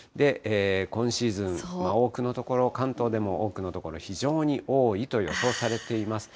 今シーズン、多くの所、関東でも多くの所、非常に多いと予想されています。